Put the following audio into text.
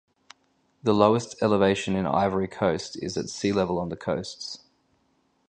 The lowest elevation in Ivory Coast is at sea level on the coasts.